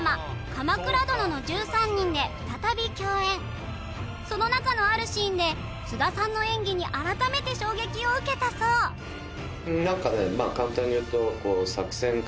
「鎌倉殿の１３人」で再び共演そのなかのあるシーンで菅田さんの演技に改めて衝撃を受けたそうなんかね